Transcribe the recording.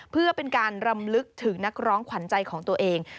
เพื่อเป็นการรำลึกถึงนักร้องขวัญใจของตัวเอง